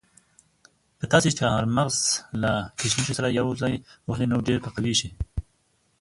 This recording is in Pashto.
که تاسي چهارمغز له کشمشو سره یو ځای وخورئ نو ډېر به قوي شئ.